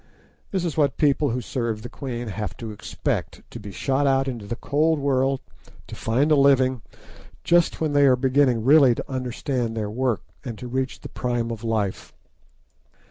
This is what people who serve the Queen have to expect: to be shot out into the cold world to find a living just when they are beginning really to understand their work, and to reach the prime of life.